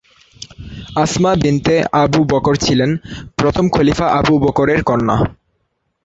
আসমা বিনতে Abi Bakr ছিলেন প্রথম খলিফা আবু বকরের কন্যা।